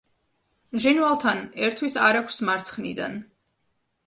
ჟინვალთან ერთვის არაგვს მარცხნიდან.